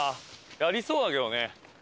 ありそうだけどね。